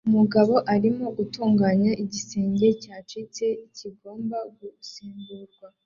Umugabo arimo gutunganya igisenge cyacitse kigomba gusimburwa